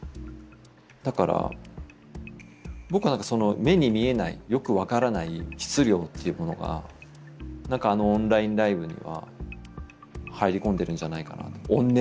だから僕はその目に見えないよく分からない質量っていうものがあのオンラインライブには入り込んでるんじゃないかなと怨念のような。